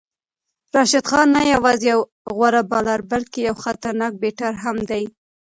راشد خان نه یوازې یو غوره بالر بلکې یو خطرناک بیټر هم دی.